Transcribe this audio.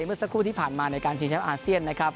เมื่อสักครู่ที่ผ่านมาในการชิงแชมป์อาเซียนนะครับ